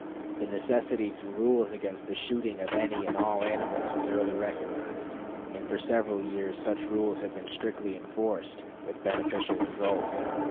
The necessity for rules against the shooting of any and all animals was early recognized, and for several years such rules have been strictly enforced with beneficial results.